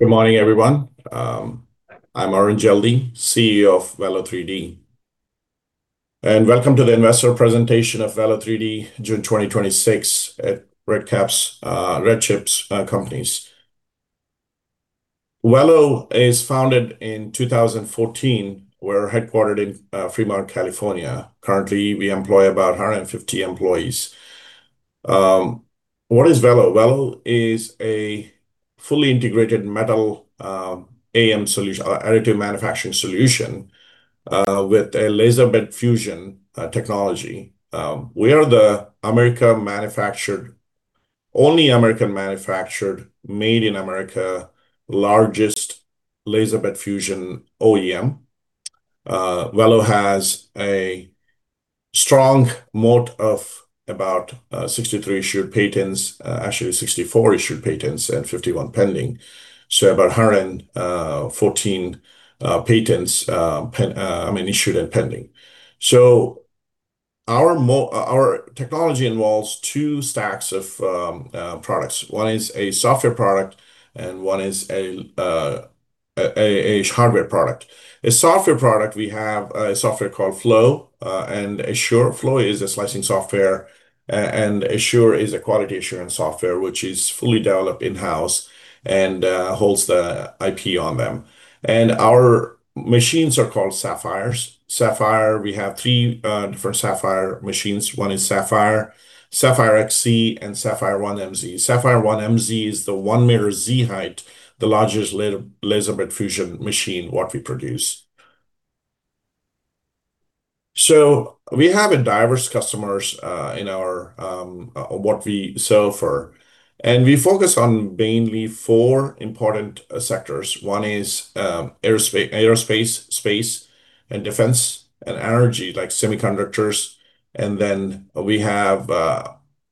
Good morning, everyone. I'm Arun Jeldi, CEO of Velo3D, and welcome to the investor presentation of Velo3D, June 2026 at RedChip Companies. Velo is founded in 2014. We're headquartered in Fremont, California. Currently, we employ about 150 employees. What is Velo? Velo is a fully integrated metal AM solution, additive manufacturing solution, with a laser powder bed fusion technology. We are the only American manufactured, made in America, largest laser powder bed fusion OEM. Velo has a strong moat of about 63 issued patents, actually 64 issued patents, and 51 pending. About 114 patents issued and pending. Our technology involves two stacks of products. One is a software product, and one is a hardware product. A software product, we have a software called Flow. Flow is a slicing software, and Assure is a quality assurance software, which is fully developed in-house and holds the IP on them. Our machines are called Sapphires. Sapphire, we have three different Sapphire machines. One is Sapphire XC, and Sapphire 1MZ. Sapphire 1MZ is the 1 meter Z-height, the largest laser powder bed fusion machine what we produce. We have diverse customers in what we sell for, and we focus on mainly four important sectors. One is aerospace, space, and defense, and energy like semiconductors.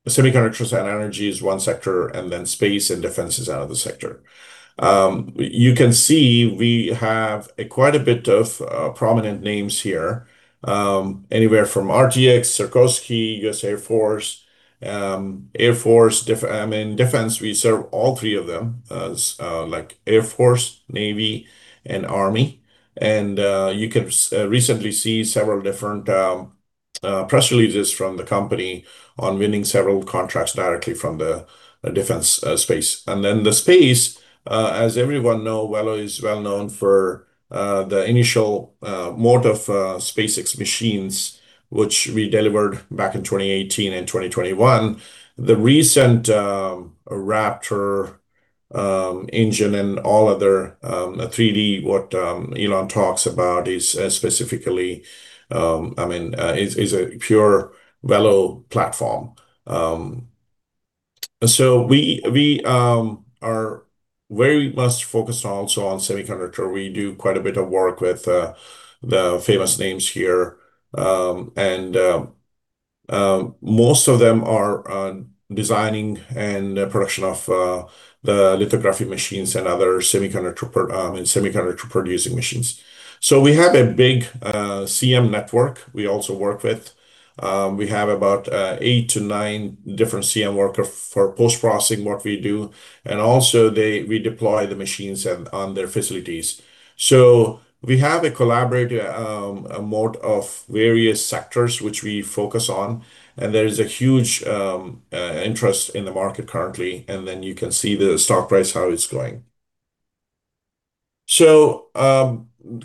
Semiconductors and energy is one sector, and then space and defense is another sector. You can see we have quite a bit of prominent names here. Anywhere from RTX, Sikorsky, U.S. Air Force. Defense, we serve all three of them, Air Force, Navy, and Army. You can recently see several different press releases from the company on winning several contracts directly from the defense space. The space, as everyone know, Velo is well known for the initial moat of SpaceX machines, which we delivered back in 2018 and 2021. The recent Raptor engine and all other 3D, what Elon talks about is specifically, is a pure Velo platform. We are very much focused also on semiconductor. We do quite a bit of work with the famous names here. Most of them are designing and production of the lithographic machines and other semiconductor producing machines. We have a big CM network we also work with. We have about eight to nine different CM worker for post-processing what we do, and also we deploy the machines on their facilities. We have a collaborative moat of various sectors which we focus on, and there is a huge interest in the market currently, you can see the stock price, how it's going.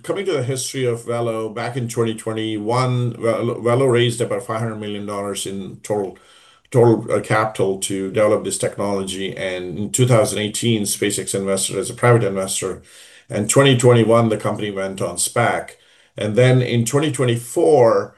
Coming to the history of Velo, back in 2021, Velo raised about $500 million in total capital to develop this technology. In 2018, SpaceX invested as a private investor. In 2021, the company went on SPAC. In 2024,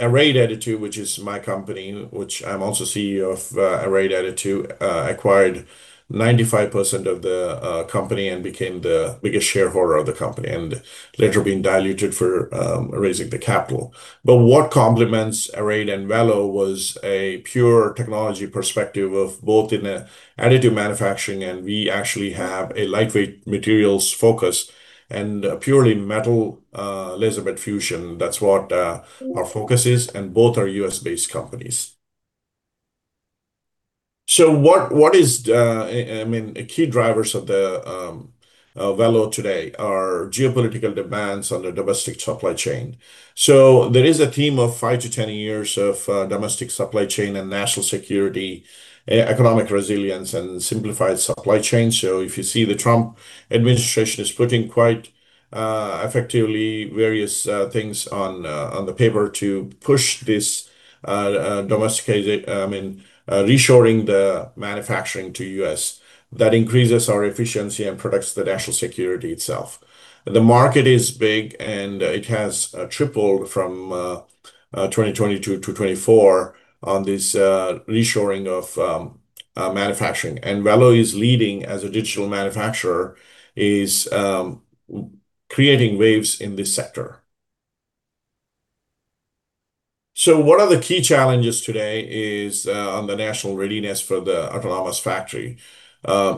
Arrayed Additive, which is my company, which I'm also CEO of Arrayed Additive, acquired 95% of the company and became the biggest shareholder of the company, and later being diluted for raising the capital. What complements Arrayed and Velo was a pure technology perspective of both in the additive manufacturing, and we actually have a lightweight materials focus and purely metal laser powder bed fusion. That's what our focus is, and both are U.S.-based companies. What is the key drivers of the Velo today are geopolitical demands on the domestic supply chain. There is a theme of 5-10 years of domestic supply chain and national security, economic resilience, and simplified supply chain. If you see the Trump administration is putting quite effectively various things on the paper to push this reshoring the manufacturing to U.S. That increases our efficiency and protects the national security itself. The market is big, and it has tripled from 2022 to 2024 on this reshoring of manufacturing. Velo is leading as a digital manufacturer, is creating waves in this sector. One of the key challenges today is on the national readiness for the autonomous factory,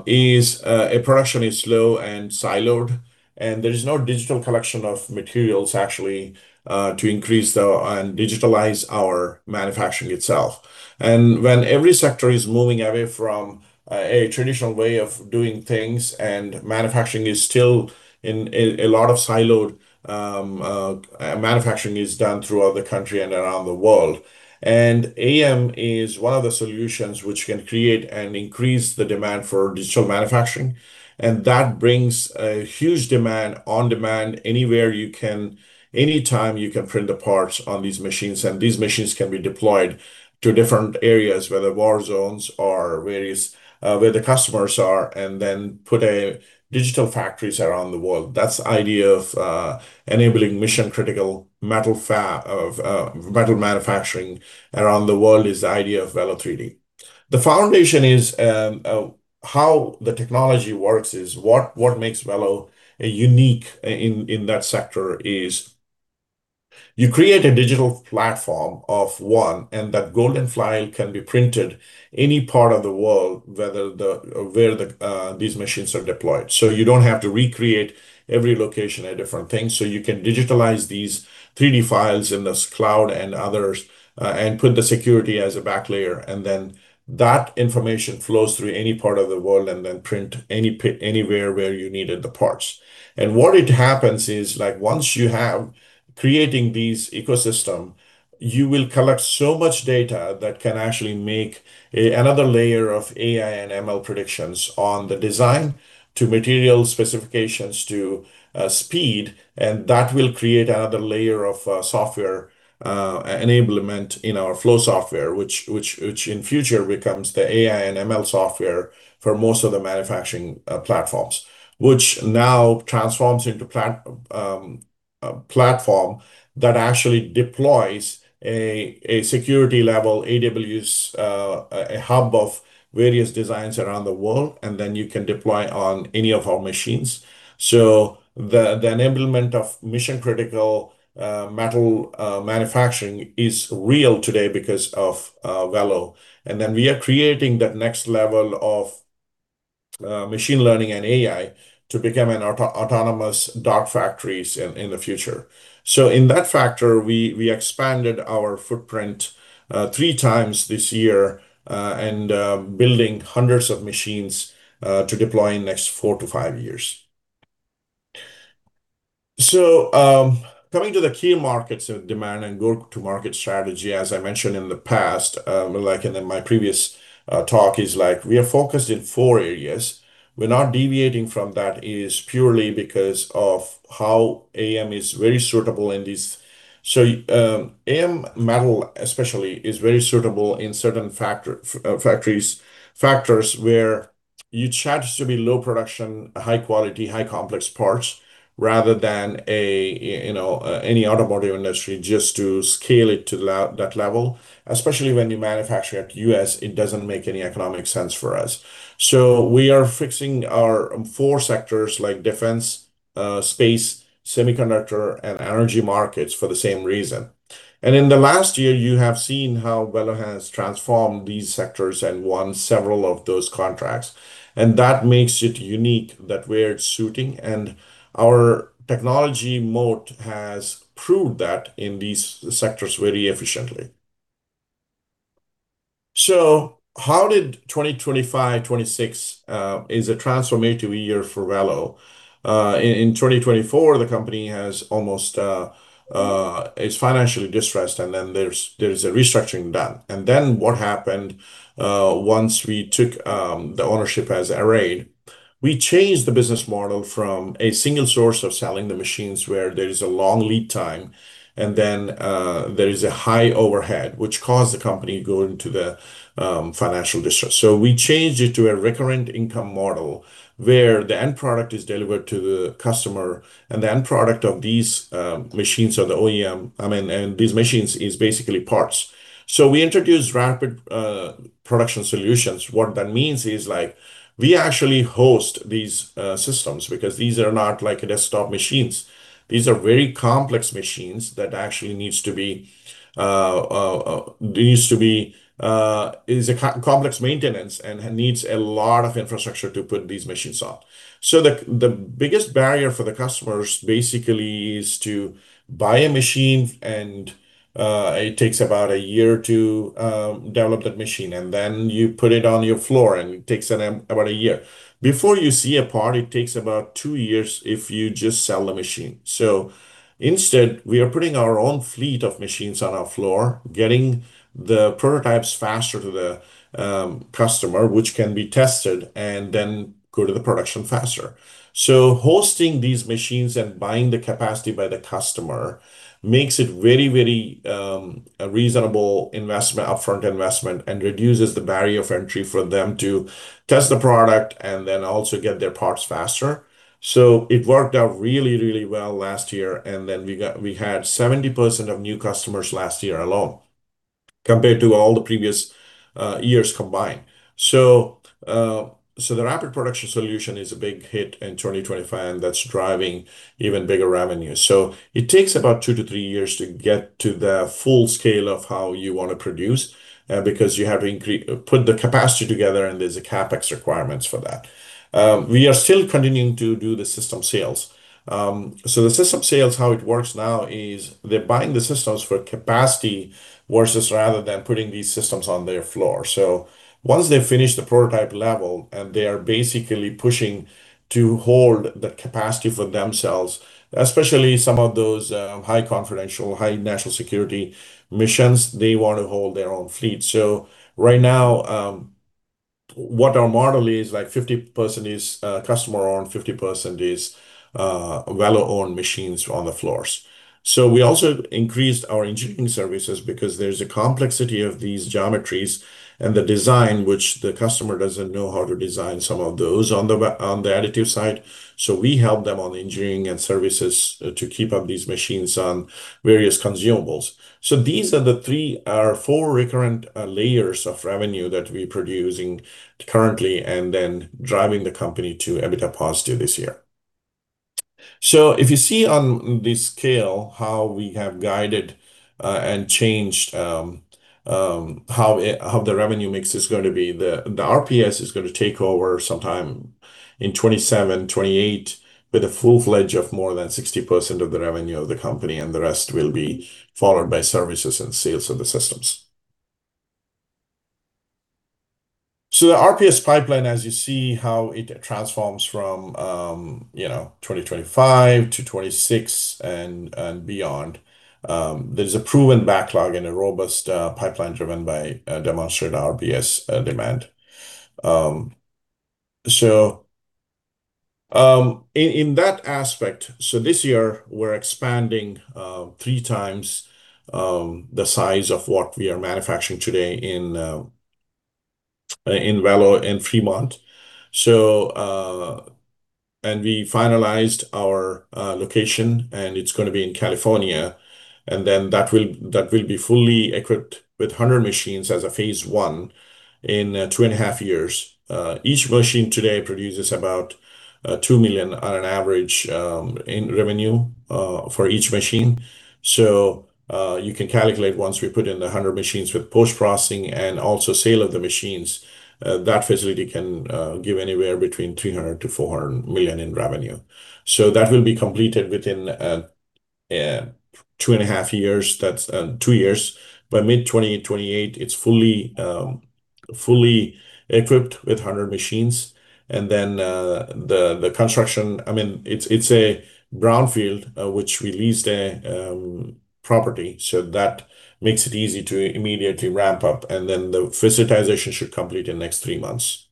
is production is slow and siloed. And there is no digital collection of materials actually to increase and digitalize our manufacturing itself. When every sector is moving away from a traditional way of doing things, and a lot of siloed manufacturing is done throughout the country and around the world. AM is one of the solutions which can create and increase the demand for digital manufacturing, and that brings a huge demand on-demand. Anytime you can print the parts on these machines, and these machines can be deployed to different areas, whether war zones or where the customers are, and then put digital factories around the world. That's the idea of enabling mission-critical metal manufacturing around the world is the idea of Velo3D. The foundation is how the technology works is what makes Velo unique in that sector is you create a digital platform of one, and that Golden Print File can be printed any part of the world, where these machines are deployed. You don't have to recreate every location a different thing. You can digitalize these 3D files in the cloud and others, and put the security as a back layer, and then that information flows through any part of the world, and then print anywhere where you needed the parts. What it happens is, once you have creating these ecosystem, you will collect so much data that can actually make another layer of AI and ML predictions on the design to material specifications to speed, and that will create another layer of software enablement in our Flow software, which in future becomes the AI and ML software for most of the manufacturing platforms. Which now transforms into a platform that actually deploys a security level, AWS, a hub of various designs around the world, and then you can deploy on any of our machines. So the enablement of mission-critical metal manufacturing is real today because of Velo. Then we are creating that next level of machine learning and AI to become an autonomous dark factories in the future. In that factor, we expanded our footprint 3x this year, and building hundreds of machines to deploy in next four to five years. Coming to the key markets of demand and go-to-market strategy, as I mentioned in the past, like in my previous talk, is we are focused in four areas. We're not deviating from that is purely because of how AM is very suitable in these. AM metal especially, is very suitable in certain factors where you charge to be low production, high quality, high complex parts rather than any automotive industry just to scale it to that level. Especially when you manufacture at U.S., it doesn't make any economic sense for us. We are fixing our four sectors like defense, space, semiconductor, and energy markets for the same reason. In the last year, you have seen how Velo has transformed these sectors and won several of those contracts, and that makes it unique that we're suiting, and our technology moat has proved that in these sectors very efficiently. How did 2025/2026 is a transformative year for Velo? In 2024, the company is financially distressed, and then there's a restructuring done. What happened once we took the ownership as Arrayed, we changed the business model from a single source of selling the machines where there is a long lead time and then there is a high overhead, which caused the company to go into the financial distress. We changed it to a recurrent income model where the end product is delivered to the customer and the end product of these machines is basically parts. We introduced Rapid Production Solutions. What that means is we actually host these systems because these are not like desktop machines. These are very complex machines that actually needs complex maintenance and needs a lot of infrastructure to put these machines on. The biggest barrier for the customers basically is to buy a machine, and it takes about a year to develop that machine, and then you put it on your floor, and it takes about a year. Before you see a part, it takes about two years if you just sell the machine. Instead, we are putting our own fleet of machines on our floor, getting the prototypes faster to the customer, which can be tested and then go to the production faster. Hosting these machines and buying the capacity by the customer makes it very reasonable upfront investment and reduces the barrier of entry for them to test the product and then also get their parts faster. It worked out really well last year, and then we had 70% of new customers last year alone compared to all the previous years combined. The Rapid Production Solution is a big hit in 2025 that's driving even bigger revenue. It takes about two to three years to get to the full scale of how you want to produce, because you have to put the capacity together and there's a CapEx requirements for that. We are still continuing to do the system sales. The system sales, how it works now is they're buying the systems for capacity versus rather than putting these systems on their floor. Once they finish the prototype level and they are basically pushing to hold the capacity for themselves, especially some of those high confidential, high national security missions, they want to hold their own fleet. Right now, what our model is like 50% is customer-owned, 50% is Velo-owned machines on the floors. We also increased our engineering services because there's a complexity of these geometries and the design which the customer doesn't know how to design some of those on the additive side. We help them on engineering and services to keep up these machines on various consumables. These are the four recurrent layers of revenue that we're producing currently and then driving the company to EBITDA positive this year. If you see on this scale how we have guided and changed how the revenue mix is going to be, the RPS is going to take over sometime in 2027/2028, with a full fledge of more than 60% of the revenue of the company, and the rest will be followed by services and sales of the systems. The RPS pipeline as you see how it transforms from 2025 to 2026 and beyond. There's a proven backlog and a robust pipeline driven by demonstrated RPS demand. In that aspect, this year we're expanding 3x the size of what we are manufacturing today in Velo in Fremont. We finalized our location, and it's going to be in California, and then that will be fully equipped with 100 machines as a phase I in two and a half years. Each machine today produces about $2 million on an average in revenue for each machine. You can calculate once we put in the 100 machines with post-processing and also sale of the machines, that facility can give anywhere between $300 million-$400 million in revenue. That will be completed within two and a half years. That's two years. By mid-2028, it's fully equipped with 100 machines. The construction, it's a brownfield which we leased a property, that makes it easy to immediately ramp up, and then the physicalization should complete in next three months.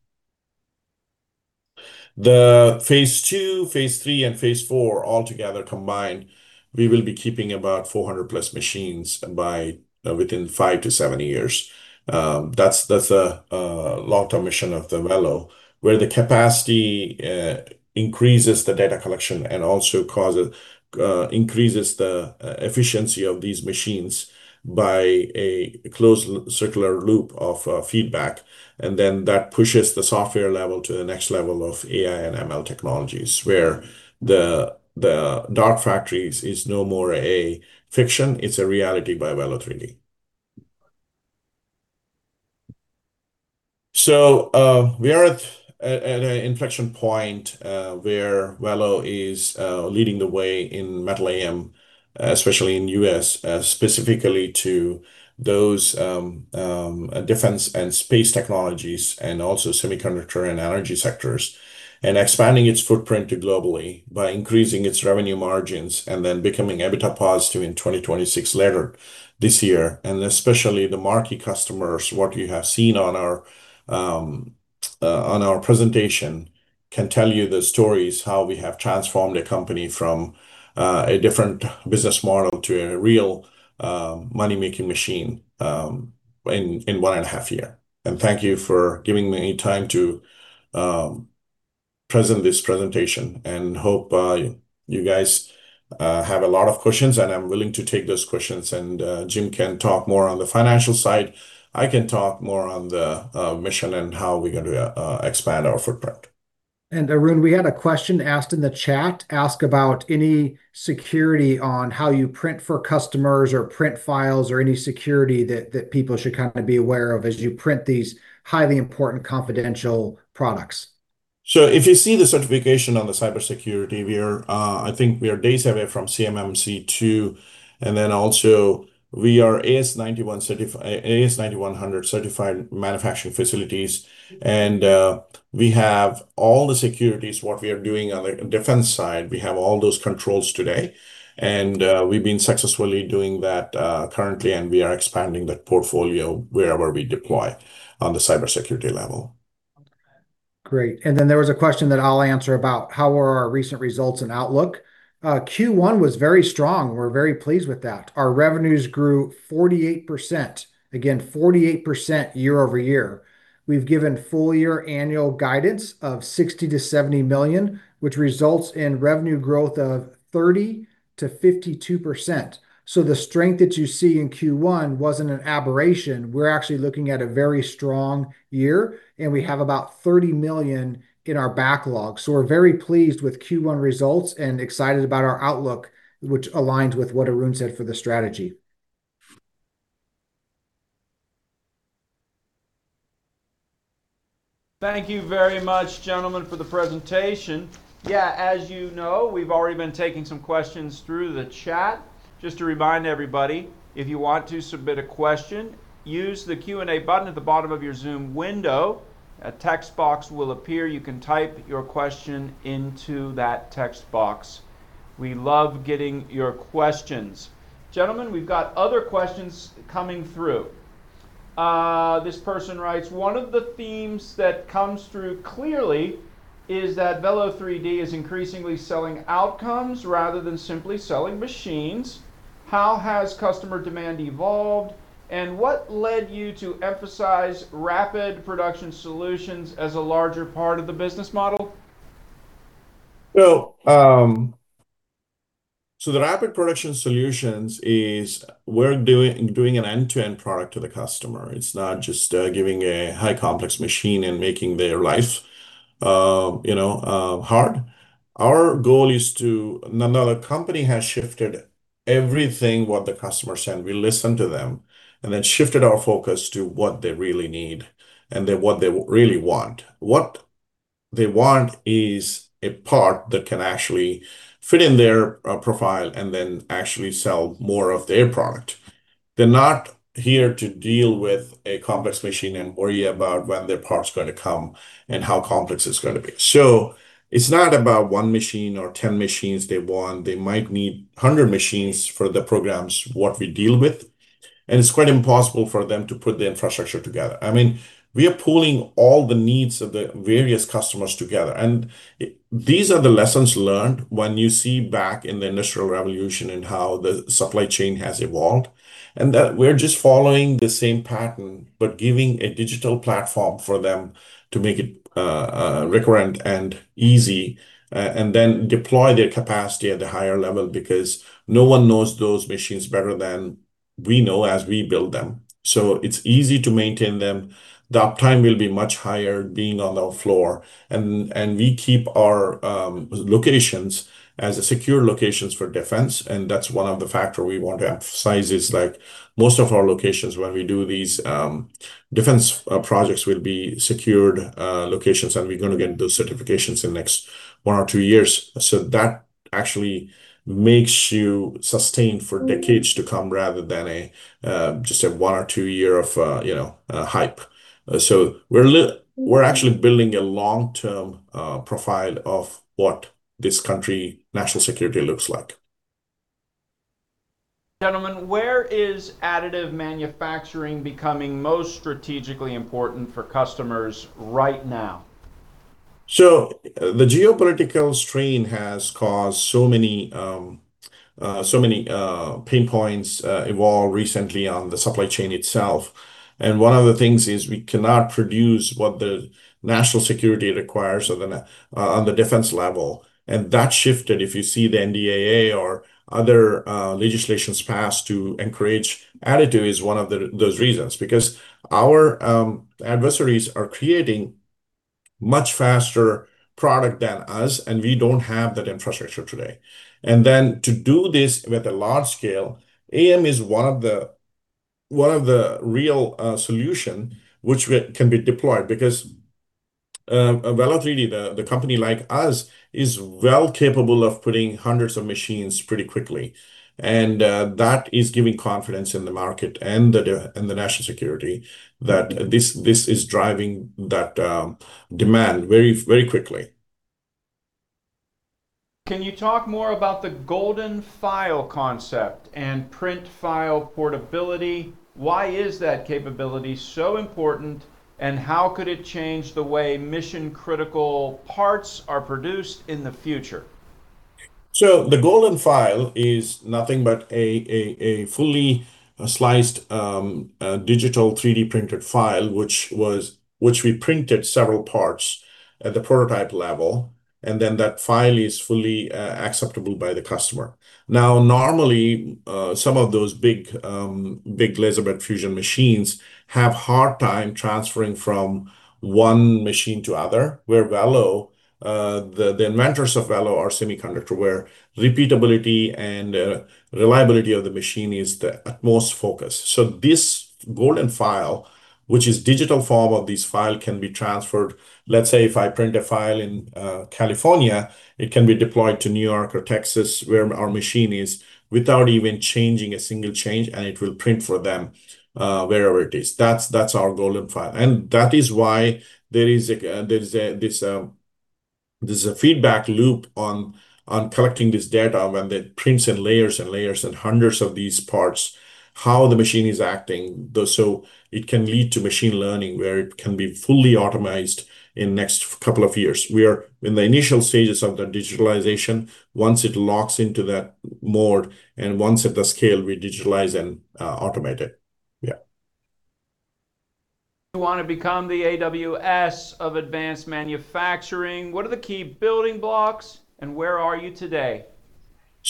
The phase II, phase III, and phase IV all together combined, we will be keeping about 400+ machines within five to seven years. That's a long-term mission of the Velo, where the capacity increases the data collection and also increases the efficiency of these machines by a closed circular loop of feedback. That pushes the software level to the next level of AI and ML technologies, where the dark factories is no more a fiction, it's a reality by Velo3D. We are at an inflection point where Velo is leading the way in metal AM, especially in U.S., specifically to those defense and space technologies and also semiconductor and energy sectors. Expanding its footprint globally by increasing its revenue margins and then becoming EBITDA positive in 2026 later this year. Especially the marquee customers, what you have seen on our presentation can tell you the stories how we have transformed a company from a different business model to a real money-making machine in one and a half year. Thank you for giving me time to present this presentation and hope you guys have a lot of questions, and I'm willing to take those questions. Jim can talk more on the financial side. I can talk more on the mission and how we're going to expand our footprint. Arun, we had a question asked in the chat about any security on how you print for customers or print files or any security that people should be aware of as you print these highly important confidential products. If you see the certification on the cybersecurity, I think we are days away from CMMC 2.0, and then also we are AS9100 certified manufacturing facilities, and we have all the securities, what we are doing on the defense side, we have all those controls today. We've been successfully doing that currently, and we are expanding that portfolio wherever we deploy on the cybersecurity level. Great. Then there was a question that I'll answer about how are our recent results and outlook. Q1 was very strong. We're very pleased with that. Our revenues grew 48%. Again, 48% year-over-year. We've given full year annual guidance of $60 million-$70 million, which results in revenue growth of 30%-52%. The strength that you see in Q1 wasn't an aberration. We're actually looking at a very strong year, and we have about $30 million in our backlog. We're very pleased with Q1 results and excited about our outlook, which aligns with what Arun said for the strategy. Thank you very much, gentlemen, for the presentation. Yeah, as you know, we've already been taking some questions through the chat. Just to remind everybody, if you want to submit a question, use the Q&A button at the bottom of your Zoom window. A text box will appear. You can type your question into that text box. We love getting your questions. Gentlemen, we've got other questions coming through. This person writes, "One of the themes that comes through clearly is that Velo3D is increasingly selling outcomes rather than simply selling machines. How has customer demand evolved, and what led you to emphasize Rapid Production Solutions as a larger part of the business model? The Rapid Production Solutions is we're doing an end-to-end product to the customer. It's not just giving a high complex machine and making their life hard. The company has shifted everything what the customer said, we listen to them, and then shifted our focus to what they really need and what they really want. What they want is a part that can actually fit in their profile and then actually sell more of their product. They're not here to deal with a complex machine and worry about when their part's going to come and how complex it's going to be. It's not about one machine or 10 machines they want. They might need 100 machines for the programs, what we deal with, and it's quite impossible for them to put the infrastructure together. We are pooling all the needs of the various customers together, and these are the lessons learned when you see back in the Industrial Revolution and how the supply chain has evolved, and that we're just following the same pattern, but giving a digital platform for them to make it recurrent and easy, and then deploy their capacity at a higher level because no one knows those machines better than we know as we build them. It's easy to maintain them. The uptime will be much higher being on our floor. We keep our locations as secure locations for defense, and that's one of the factor we want to emphasize is most of our locations when we do these defense projects will be secured locations, and we're going to get those certifications in the next one or two years. That actually makes you sustained for decades to come rather than just one or two year of hype. We're actually building a long-term profile of what this country national security looks like. Gentlemen, where is additive manufacturing becoming most strategically important for customers right now? The geopolitical strain has caused so many pain points evolved recently on the supply chain itself. One of the things is we cannot produce what the national security requires on the defense level. That shifted, if you see the NDAA or other legislations passed to encourage additive is one of those reasons, because our adversaries are creating much faster product than us, and we don't have that infrastructure today. Then to do this with a large scale, AM is one of the real solution which can be deployed, because Velo3D, the company like us, is well capable of putting hundreds of machines pretty quickly. That is giving confidence in the market and the national security that this is driving that demand very quickly. Can you talk more about the Golden File concept and print file portability? Why is that capability so important, and how could it change the way mission-critical parts are produced in the future? The Golden File is nothing but a fully sliced digital 3D-printed file, which we printed several parts at the prototype level, and then that file is fully acceptable by the customer. Now, normally, some of those big laser bed fusion machines have hard time transferring from one machine to other, where Velo, the inventors of Velo, are semiconductor, where repeatability and reliability of the machine is the utmost focus. This Golden File, which is digital form of this file, can be transferred. Let's say if I print a file in California, it can be deployed to New York or Texas, where our machine is, without even changing a single change, and it will print for them wherever it is. That's our Golden File, and that is why there's a feedback loop on collecting this data when the prints and layers and layers and hundreds of these parts, how the machine is acting, so it can lead to machine learning, where it can be fully automized in next couple of years. We are in the initial stages of the digitalization. Once it locks into that mode and once at the scale, we digitalize and automate it. Yeah. You want to become the AWS of advanced manufacturing. What are the key building blocks, and where are you today?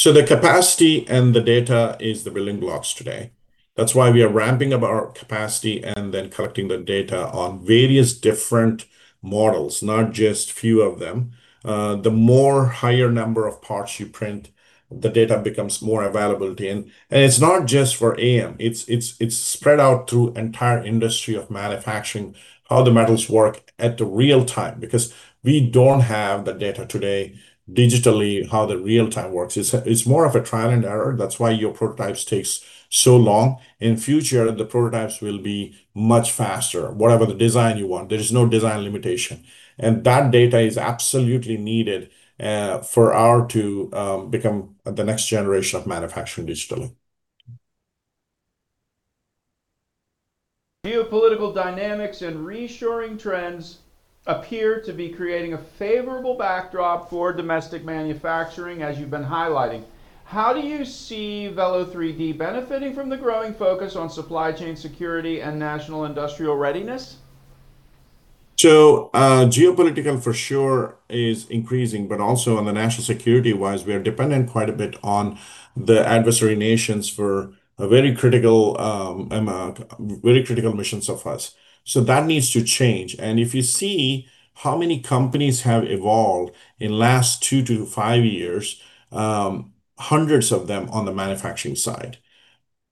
The capacity and the data is the building blocks today. That's why we are ramping up our capacity and then collecting the data on various different models, not just few of them. The more higher number of parts you print, the data becomes more available to you. It's not just for AM, it's spread out through entire industry of manufacturing, how the metals work at the real-time, because we don't have the data today digitally how the real-time works. It's more of a trial and error. That's why your prototypes takes so long. In future, the prototypes will be much faster. Whatever the design you want, there is no design limitation. That data is absolutely needed for our to become the next generation of manufacturing digitally. Geopolitical dynamics and reshoring trends appear to be creating a favorable backdrop for domestic manufacturing, as you've been highlighting. How do you see Velo3D benefiting from the growing focus on supply chain security and national industrial readiness? Geopolitical for sure is increasing, also on the national security-wise, we are dependent quite a bit on the adversary nations for a very critical amount, very critical missions of us. That needs to change, if you see how many companies have evolved in last two to five years, hundreds of them on the manufacturing side.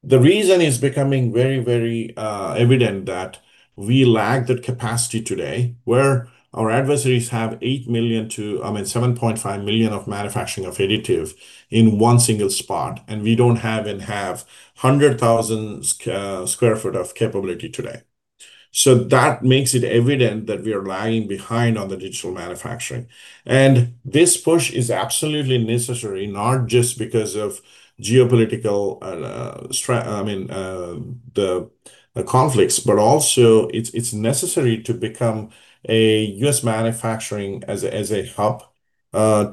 The reason is becoming very evident that we lack the capacity today where our adversaries have 8 million to, I mean, 7.5 million of manufacturing of additive in one single spot, and we don't have in half 100,000 sq ft of capability today. That makes it evident that we are lagging behind on the digital manufacturing. This push is absolutely necessary, not just because of geopolitical, I mean, the conflicts, but also it's necessary to become a U.S. manufacturing as a hub,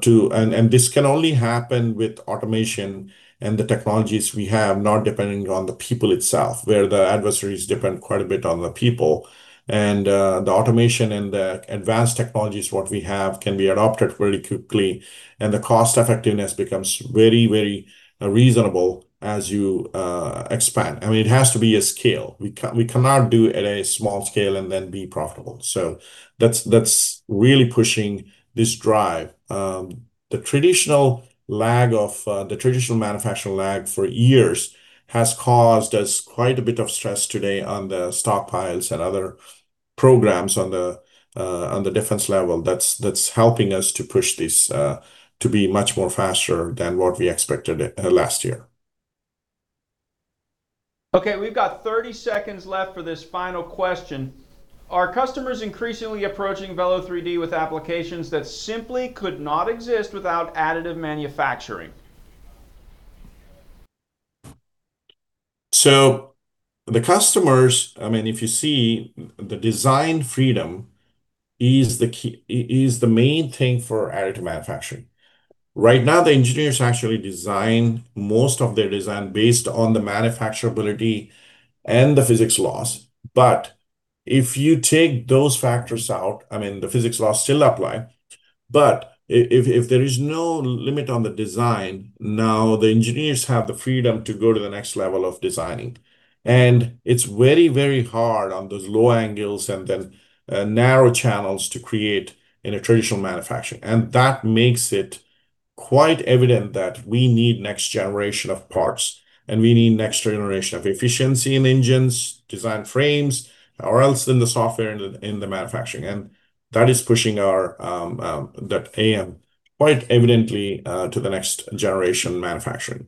too. This can only happen with automation and the technologies we have, not dependent on the people itself, where the adversaries depend quite a bit on the people. The automation and the advanced technologies what we have can be adopted very quickly, and the cost effectiveness becomes very reasonable as you expand. It has to be a scale. We cannot do at a small scale and then be profitable. That's really pushing this drive. The traditional manufacturing lag for years has caused us quite a bit of stress today on the stockpiles and other programs on the defense level that's helping us to push this to be much more faster than what we expected last year. We've got 30 seconds left for this final question. Are customers increasingly approaching Velo3D with applications that simply could not exist without additive manufacturing? The customers, if you see the design freedom is the main thing for additive manufacturing. Right now, the engineers actually design most of their design based on the manufacturability and the physics laws. If you take those factors out, the physics laws still apply, if there is no limit on the design, now the engineers have the freedom to go to the next level of designing. It's very hard on those low angles then narrow channels to create in a traditional manufacturing. That makes it quite evident that we need next generation of parts, we need next generation of efficiency in engines, design frames, or else in the software in the manufacturing. That is pushing our, that AM quite evidently to the next generation manufacturing.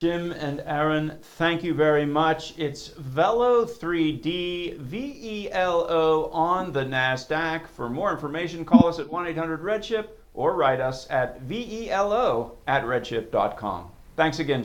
Jim and Arun, thank you very much. It's Velo3D, V-E-L-O on the Nasdaq. For more information, call us at 1-800-RedChip or write us at velo@redchip.com. Thanks again.